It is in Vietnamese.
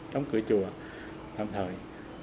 đóng cửa chùa đồng thời